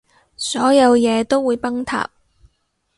所有嘢都會崩塌